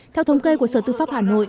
theo thống kê của sở tư pháp hà nội